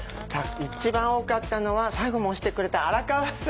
一番多かったのは最後も押してくれた荒川さん。